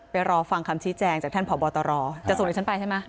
รอฟังคำชี้แจงจากท่านผอบตรจะส่งดิฉันไปใช่ไหม